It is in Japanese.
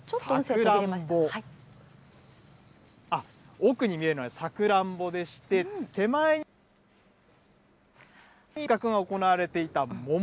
奥に見えるのはさくらんぼでして、行われていた桃。